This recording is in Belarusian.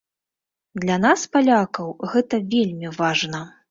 Для нас, палякаў, гэта вельмі важна.